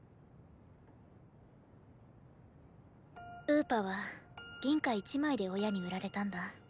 ウーパは銀貨一枚で親に売られたんだ。